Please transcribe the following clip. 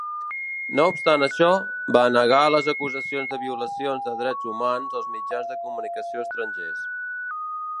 No obstant això, va negar les acusacions de violacions de drets humans als mitjans de comunicació estrangers.